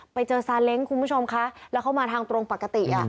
ไปเจอซาเล้งคุณผู้ชมคะแล้วเขามาทางตรงปกติอ่ะ